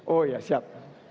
oh ya siap